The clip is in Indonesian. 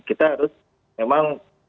kita harus memang